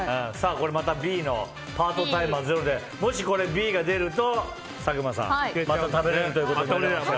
また、Ｂのパートタイマーがゼロでもしこれ、Ｂが出ると佐久間さん、また食べられると。